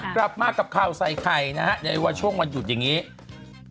กลับมากับข่าวใส่ไข่นะฮะในวันช่วงวันหยุดอย่างนี้